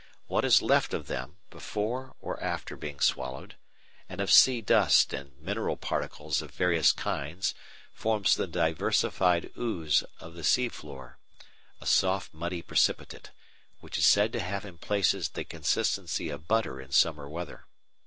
What is left of them, before or after being swallowed, and of sea dust and mineral particles of various kinds forms the diversified "ooze" of the sea floor, a soft muddy precipitate, which is said to have in places the consistence of butter in summer weather.